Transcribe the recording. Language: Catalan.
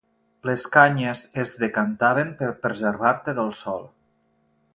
Les canyes es decantaven per preservar-te del sol.